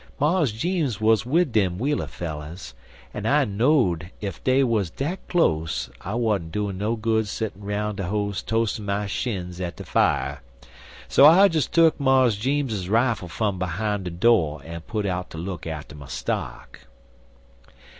Mars Jeems wuz wid dem Wheeler fellers, en I know'd ef dey wuz dat close I wa'n't doin' no good settin' 'roun' de house toas'n my shins at de fier, so I des tuck Mars Jeems's rifle fum behime de do' en put out ter look atter my stock.